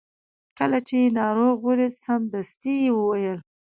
کله چې یې ناروغ ولید سمدستي یې وویل.